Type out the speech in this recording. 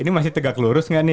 ini masih tegak lurus nggak nih